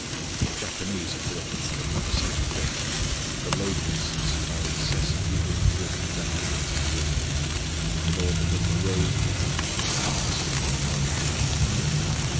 The Japanese are preoccupied with the same thing. The locusts are incessantly being driven down into the river in order that the rows behind may pass over the bodies.